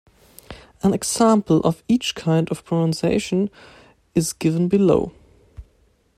An example of each kind of pronunciation is given below.